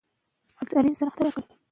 معیاري لیکنه د ټولنې لپاره ضروري ده.